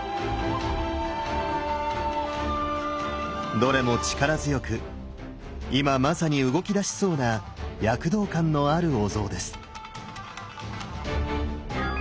どれも力強く今まさに動きだしそうな躍動感のあるお像です。